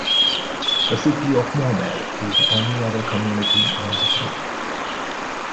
The City of Maumelle is the only other community on this route.